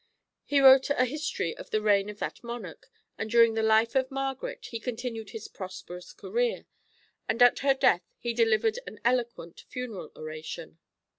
He wrote a history of the reign of that monarch, and during the life of Margaret he continued his prosperous career, and at her death he delivered an eloquent funeral oration.